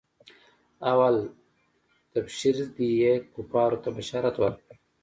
اول تبشير ديه کفارو ته بشارت ورکړه.